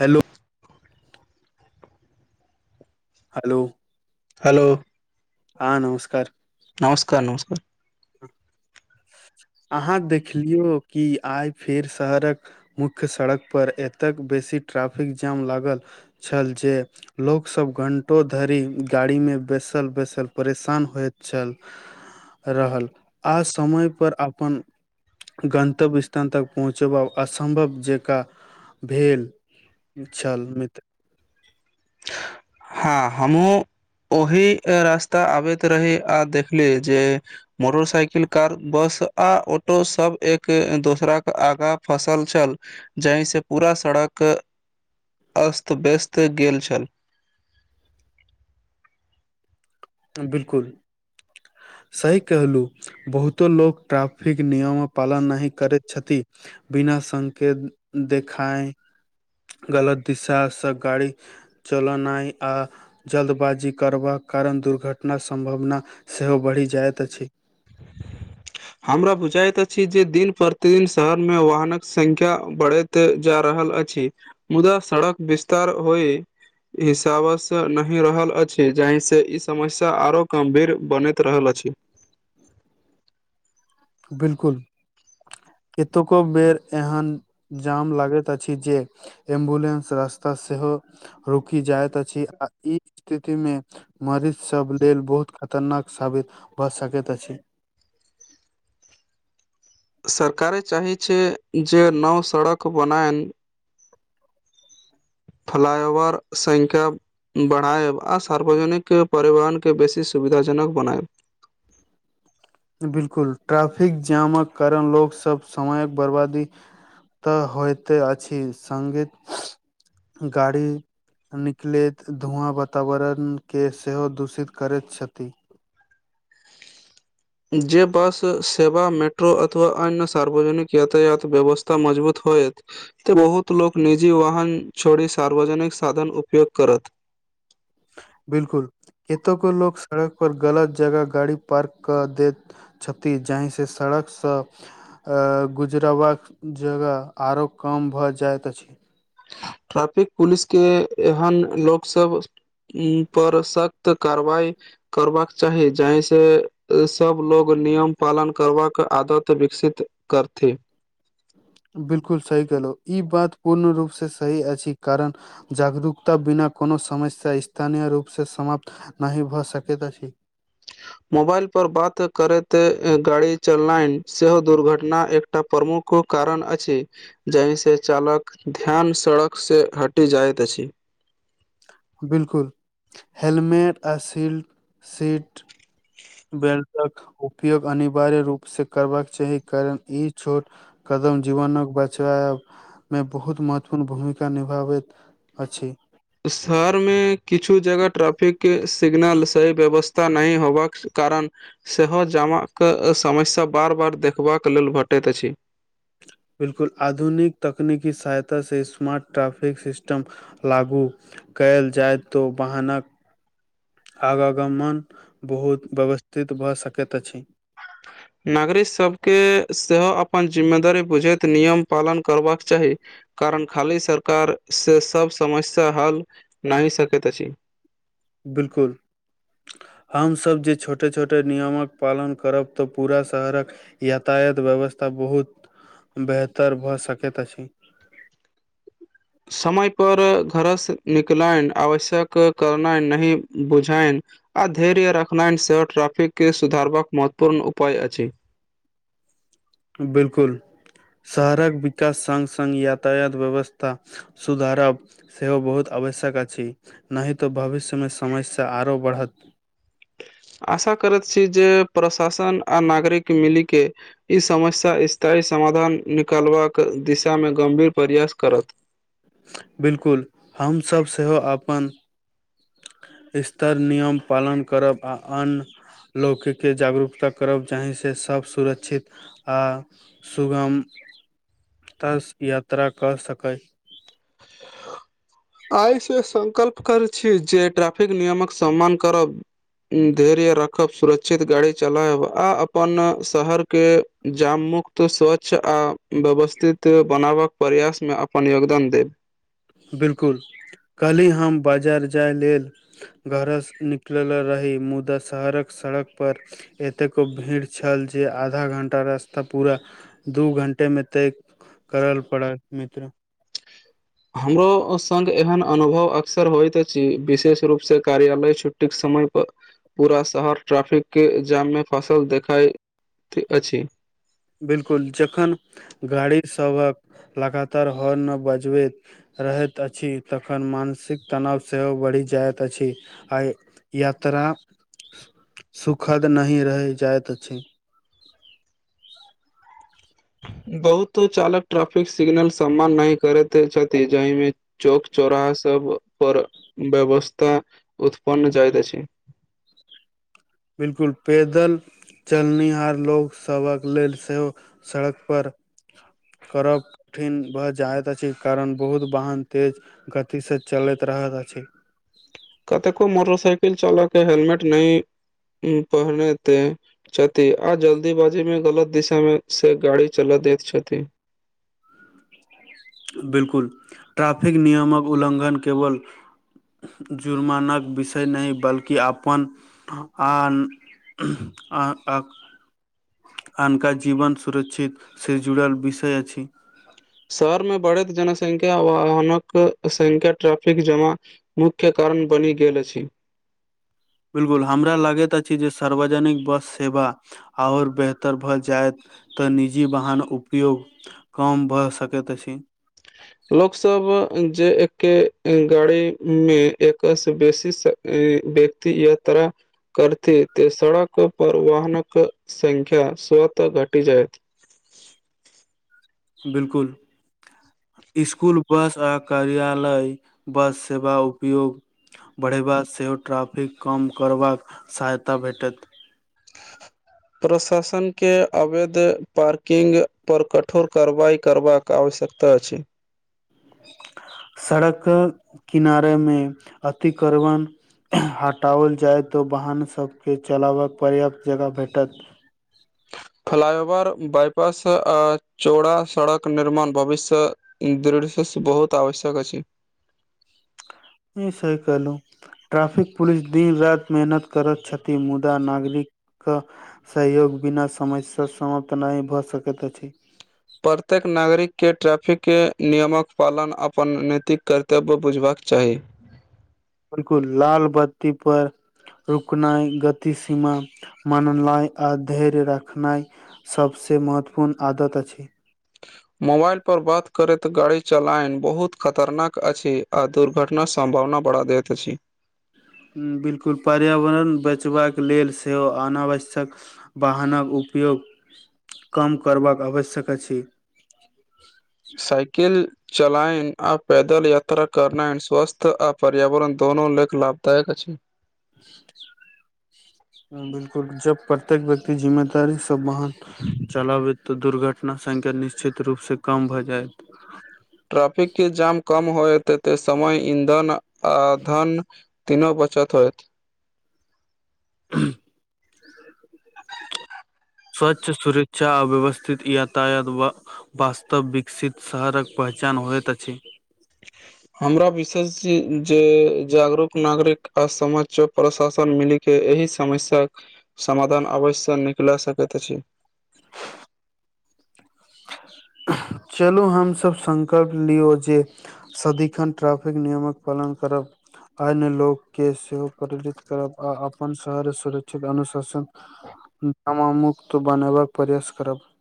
Hello hello hello हँ नमस्कार नमस्कार नमस्कार अहाँ देखलियौ कि आइ फेर शहरक मुख्य सड़क पर एतेक बेसी ट्रैफिक जाम लागल छल जे लोकसभ घण्टो धरि गाड़ीमे बैसल बैसल परेशान होइत छल रहल आ समयपर अपन [unintelligible] तक पहुँचबा असम्भव जकाँ भेल चल मित हँ हमहुँ ओहि रास्ता आबैत रही आ देखली जेऽ मोटरसाइकिल कार बस आ ऑटो सब एक दोसरा क आगा फसल छल जाहिसँ पूरा सड़क अस्त व्यस्त गेल छल बिल्कुल सही कहलु बहुतो लोक ट्राफिक नियमक आ पालन नहि करैत छथि बिना संकेत देखाय गलत दिशा सँ गाड़ी चलनाइ आ जल्दबाजी करबाक कारण दुर घटना सम्भावना सेहो बढ़ि जायइत अछि हमरा बुझाइत अछि जँ दिन प्रतिदिन शहर मे वाहनक संख्या बढ़ैत जा रहल अछि मुदा सड़क विस्तार होइय हिसाबसँ नहि रहल अछि जाहिसँ ई समस्या आरो कम्भीर बनैत रहल अछि बिल्कुल एतेको बेर एहन जाम लागैत अछी जे एम्बुलेंस रास्ता सेहो रुकि जाइत अछि आ ई स्थितिमे मरीच सब लेल बहुत खतरनाक साबित भए सकैत अछि सरकारे चाहै छै जे नव सड़क बनैन फ्लाइओवर संख्या बढ़ायब आ सार्वजनिक परिवहनके बेसी सुविधाजनक बनायब बिल्कुल ट्राफिक जामक करण लोक सब समयक बर्बादी तऽ होयते अछि संगे गाड़ी निकलैत धुआँ वातावरणके सेहो दूषित करैत छथि जे बस सेवा मेट्रो अथवा अन्य सार्वजनिक यातायात व्यवस्था मजबूत होएत त बहुत लोक निजी वाहन छोड़ी सार्वजनिक साधन उपयोग करत बिल्कुल एतौके लोक सड़क पर गलत जगह गाड़ी पार्क क देत छति जाहिसँ सड़कसँ गुजरबाका जगह आरो कम भऽ जाइत अछि ट्रैपिक पुलिस के एहन लोक सब उ पर सख्त कारवाई करबाक चाही जाहिसँ सब लोग नियम पालन करबाक आदत विकसित करथि बिल्कुल सही केँहलु इ बात पूर्ण रूपसँ सही अछि कारण जागरूकता बिना कोनो समस्या स्थानीय रूप स समाप्त नहि भए सकैत अछि मोबाइल पर बात करैत गाड़ी चलनै सेहो दुर्घटना एकटा प्रमुख कु कारण अछि जाहिसँ चालक ध्यान सड़क सऽ हटि जाइत अछि बिल्कुल हेलमेट आ सीलट सीट [unintelligible] बेल्टक उपयोग अनिवार्य रूप से करबाक चाही कारण ई छोट कदम जीवनक बचाय मे बहुत महत्वपूर्ण भूमिका निभाबैत अछि शहर मे किछु जगह ट्रैफिक केँ सिगनल सही व्यवस्था नहि होबाक कारण सेहो जमाक समस्या बार बार देखबाक लेल भेटैत अछि बिल्कुल आधुनिक तकनीकी सहायता से स्मार्ट ट्रैफिक सिस्टम लागू कयल जाय तऽ ओ वाहनक आवागमन बहुत व्यवस्थित भऽ सकैत अछि नागरिक सब केँ सेहो अपन जिम्मेदारी बुझैत नियम पालन करबाक चाही कारण खाली सरकार से सब समस्या हल नहि सकैत अछि बिल्कुल हमसभ जे छोटे छोटे नियमक पालन करब तऽ पूरा शहरक यातायात व्यवस्था बहुत बेहतर भए सकैत अछि समय पर घरसँ निकलयन आवश्यक करनाय नही बुझायन आ धैर्य रखनैन सेहो ट्राफिक केँ सुधारबाक महत्वपूर्ण उपाय अछि बिल्कुल [inaudible] शहरक विकास संग संग यातायात व्यवस्था सुधारब सेहो बहुत आवश्यक अछि नहि तऽ भविष्यमे समस्या आरो बढ़त आशा करैत छी जे प्रशासन आ नागरिक मिली केँ इ समस्या स्थायी समाधान निकालबाक दिशामे गम्भीर प्रयास करत बिल्कुल हमसभ सेहो अपन स्तर नियम पालन करब आ अन्य लोककेँ जागरूकता करब जाहिसँ सभ सुरक्षित आ सुगम [inaudible] ताऽ यात्रा कर सकै आइसँ संकल्प करैत छी जे ट्रैफिक नियमक सम्मान करब धैर्य राखब सुरक्षित गाड़ी चलायब आ अपन शहर केँ जाम मुुक्त तु स्वच्छ आ व्यवस्थित बनाबक प्रयासमे अपन योगदान देब बिल्कुल कल्हि हम बाजार जाय लेल घर सँ निकल रही मुदा शहरक सड़क पर एतेको भीड़ छल जे आधा घंटा रास्ता पूरा दू घंटे मे तय करल पड़ल मित्र हमरो संग एहन अनुभव अक्सर होइत अछि विशेष रूपसँ कार्यालय छुट्टी समय पर पूरा शहर ट्रैफिक केँ जाम मे फसल देखाइत अछि बिल्कुल जखन गाड़ी सभक लगातार हॉर्न बजबैत रहैत अछि तखन मानसिक तनाव सेहो बढ़ि जाइत अछि आइ यात्रा [inaudible] सुखद नहि रह जाइत अछि बहुतो चालक ट्रैफिक सिग्नल सम्मान नहि करैत छथि जाहिमे चौक चौराहा सब पर व्यवस्था उत्पन्न जाइत अछि बिलकुल पेदल चलनिहार लोक सबक लेल सेहो सड़क पर करब कठिन भऽ जाइत अछि कारण बहुत वाहन तेज गतिसँ चलैत रहल अछि कतेको मोटरसाइकिल चालक हेलमेट नहि पहनेतए छथि आ जल्दीबाजी मे गलत दिशा मे से गाड़ी चला दैत छथि बिलकुल ट्रैफिक नियमक उल्लङ्घन केवल जुर्मानाक विषय नहि बल्कि अपन आन [unintelligible] अनका जीवन सुरक्षित से जुड़ल विषय शहर मे बढ़ैत जनसंख्या वाहनक संख्या ट्रैफिक जमा मुख्य कारण बनि गेल अछि बिलकुल हमरा लागैत अछि जे सार्वजनिक बस सेवा आओर बेहतर भऽ जायत तऽ निजी वाहन उपयोग कम भऽ सकैत अछि लोक सब जे एके गाड़ी मे एक से बेसी से ई व्यक्ति यात्रा करते त सड़क पर वाहनक संख्या स्वतः घटी जाइत बिलकुल स्कूल बस आ कर्यालय बस सेवा उपयोग बढ़ेबा सेहो ट्रैफिक कम करबाक सहायता भेटत प्रशासन के अवैध पार्किंग पर कठोर कारवाई करबाक आवश्यकता अछि सड़क किनारे मे अतिक्रमण हटाओल जायतऽ वाहन सभके चलाबकऽ पर्याप्त जगह भेटत फ्लाइओवर बाईपास आ चौड़ा सड़क निर्माण भविष्य मे [unintelligible] बहुत आवश्यक अछि सही कहलहु ट्रैफिक पुलिस दिन रात मेहनत करैत छथि मुदा नागरिक के सहयोग बिना समय सँ समाप्त नहि भऽ सकैत अछि प्रत्येक नागरिक के ट्रैफिक के नियमक पालन अपन नैतिक कर्तव्य बुझबाक चाही बिल्कुल लाल बत्ती पर रुकनाइ गति सीमा माननाइ आ धैर्य रखनाइ सभ से महत्वपूर्ण आदत अछि मोबाइल पर बात करैत गाड़ी चलायन बहुत खतरनाक अछि आ दुर्घटना सम्भावना बढ़ा दैत अछि बिलकुल पर्यावरण बैचबाक लेल सेहो अनावश्यक वाहनक उपयोग कम करबाक आवश्यक अछि साइकिल चलायनि आ पैदल यात्रा करनानि स्वस्थ्य आ पर्यावरण दुनू ल लाभदायक अछि बिलकुल जब प्रत्येक व्यक्ती जिम्मेदारी से वाहन चलाबैत तऽ दुर्घटना संख्या निश्चित रूप सँ कम भऽ जायत ट्रैफिक के जाम कम होयते समय ईंधन आ धन तीनो बचत होयइत [inaudible] स्वच्छ सुरक्षा अव्यवस्थित यातायात व वास्तव विकसित शहरक पहचान होइत अछि [inaudible] हमरा विशेषय जे जागरूक नागरिक आ समाज प्रशासन मिलि के एहि समस्याके समाधान अवश्य निकले सकैत अछि [inaudible] चलू हम सभ संकल्प लियौ जे सदिखन ट्रैफिक नियमक पालन करब अन्य लोक के सेहो प्रेरित करब आ अपन शहर सुरक्षित अनुशासन नामामुक्त बनेबाक प्रयास करब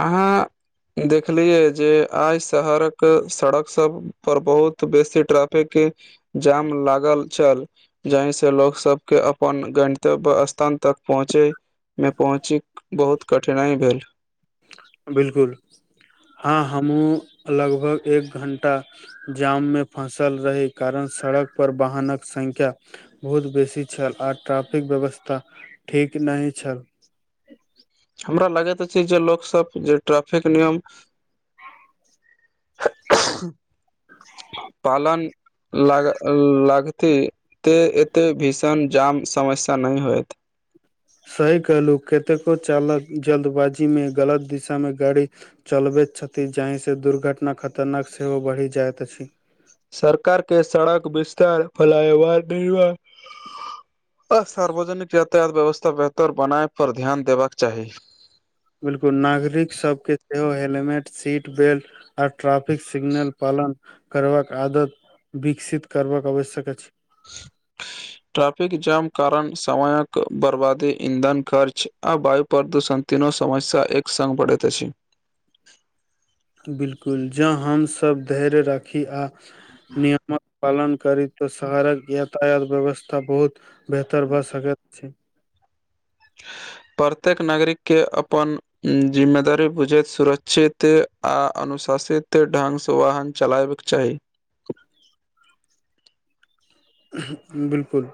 अहाँ देखलियए जे आइ शहरक सड़क सब पर बहुत बेसी ट्रैफिक के जाम लागल छल जहि से लोक सब के अपन गन्तव्य स्थान तक पहुँचे मे पहुँची बहुत कठिनाइ भइल बिलकुल हँ हमूँ लगभग एक घण्टा जाम मे फसल रही कारण सड़क पर वाहनक संख्या। बहुत बेसी छल आ ट्रैफिक व्यवस्था ठीक नहि छल हमरा लागैत अछि जे लोक सब जे ट्रैफिक नियम पालन [inaudible] लागल लागते ते एते भीषण जाम समस्या नहि होयत सही कहलहुँ कतेको चालक जल्दबाजीमे गलत दिशामे गाड़ी चलबैत छथि जाहिसँ दुर्घटना खतरनाक सेहो बढ़ि जाइत अछि सरकार के सड़क विस्तार फलायवार नहिव अ सार्वजनिक यातायात व्यवस्था बेहतर बनाय पर ध्यान देबाक चाही बिलकुल नागरिक सबके सेहो helmet seat belt traffic signal पालन करबाक आदत विकसित करबाक आवश्यक अछि ह ट्राफिक जाम कारण समयक बर्बादी ईंधन खर्च आ वायु प्रदूषण तीनो समस्य एक सग पढ़ेत छै बिलकुल जँ हमसभ धैर्य राखी आ नियमक पालन करैत शहरक यातायात व्यवस्था बहुत बेहतर भए सकत प्रत्येक नागरिक के अपन जिम्मेदारी बुझैत सुरक्षित आ अनुशासित ढंगसँ वाहन चलाबैक चाही। बिलकुल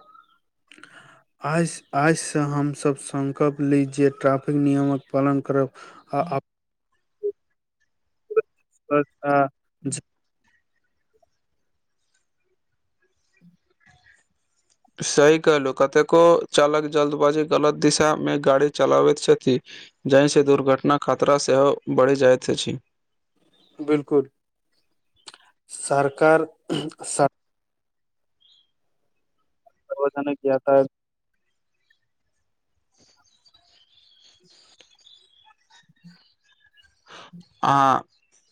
आइ आइसँ हमसभ सकल्प ली जे ट्रैफिक नियमक पालन करब आ [inaudible] ब [inaudible] सही कहलहु कतेको चालक जल्दबाजी गलत दिशा मे गाड़ी चलाबैत छथि जाहिसँ दुर्घटनाक खतरा सेहो बढ़ि जाइत अछि बिलकुल सरकार पता [unintelligible] ना कता ह आ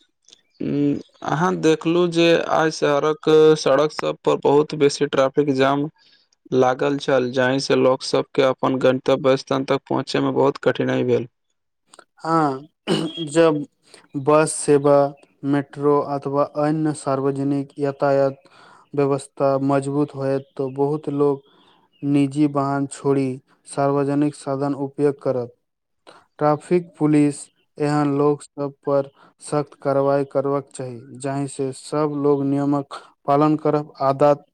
[unintelligible] उं अहाँ देखलु जे आइ सड़क सड़क सब पर बहुत बेसी ट्रै फिक जाम लागल छल जाहिसँ लोकसके अपन गन्तव्य स्थान तक पहुँचैमे बहुत कठिनाइ भेल। हां जब बस सेवा मेट्रो अथवा अन्य सार्वजनिक यातायात व्यवस्था मजबूत होयत तऽ बहुत लोग निजी वाहन छोड़ि सार्वजनिक साधन उपयोग करत ट्राफिक पुलिस एहन लोक सभ पर सख्त कारवाइ करबक चाही। जाहि से सब लोग नियमक पालन करब आदात